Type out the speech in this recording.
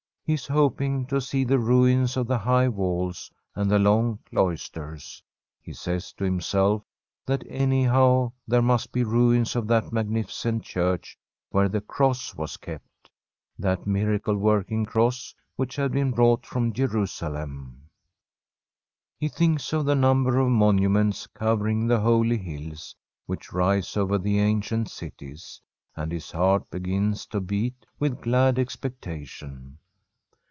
He is hoping to see the ruins of the high walls and the long cloisters. He says to himself that anyhow there must be ruins of that magnificent church where the cross was kept — that miracle working cross which had been brought from Jerusalem. He thinks of the number of monuments covering the holy hills which rise over other ancient cities, and his heart begins to beat with glad expectation.